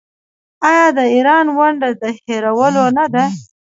آیا د ایران ونډه د هیرولو نه ده؟